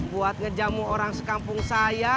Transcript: buat ngejamu orang sekampung saya